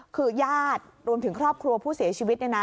คือญาติรวมถึงครอบครัวผู้เสียชีวิตเนี่ยนะ